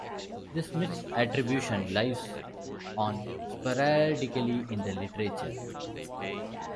This misattribution lives on sporadically in the literature.